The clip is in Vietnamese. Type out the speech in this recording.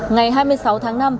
ngày hai mươi sáu tháng năm